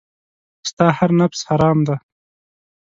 ستا هر نفس حرام دی .